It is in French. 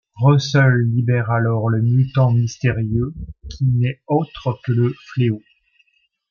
Russell libère alors le mutant mystérieux, qui n'est autre que le Fléau.